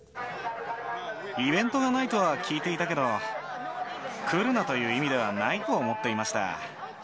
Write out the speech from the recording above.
イベントがないとは聞いていたけど、来るなという意味ではないと思っていました。